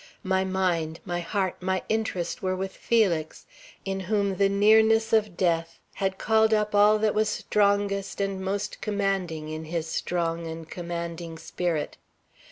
My mind, my heart, my interest were with Felix, in whom the nearness of death had called up all that was strongest and most commanding in his strong and commanding spirit.